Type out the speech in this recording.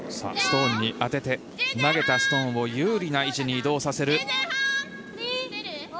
ストーンに当てて投げたストーンを有利な位置に移動させる。